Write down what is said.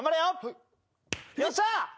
よっしゃ！